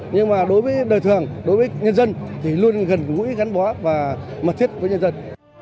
nhưng mà đối với đời thường đối với nhân dân thì luôn gần gũi gắn bó và mật thiết với nhân dân